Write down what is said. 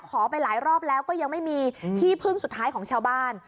ขอไปหลายรอบแล้วก็ยังไม่มีที่พึ่งสุดท้ายของชาวบ้าน